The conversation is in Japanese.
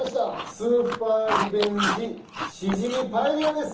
スーパーリベンジシジミパエリアです。